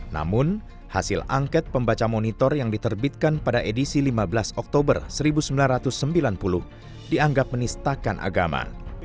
namun hasil angket pembaca monitor yang diterbitkan pada edisi lima belas oktober seribu sembilan ratus sembilan puluh dianggap menistakan agama